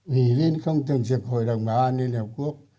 ủy viên không từng dựng hội đồng bảo an ninh hợp quốc